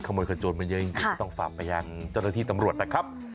ขโมยคนโจรมาเยอะอย่างนี้ต้องฝามกระยันเจ้าหน้าที่ตำรวจนะครับ